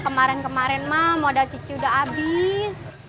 kemarin kemarin mah modal cici udah abis